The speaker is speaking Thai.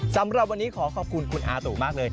สำหรับวันนี้ขอขอบคุณคุณอาตูมากเลย